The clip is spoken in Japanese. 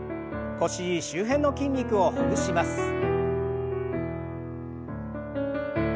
腰周辺の筋肉をほぐします。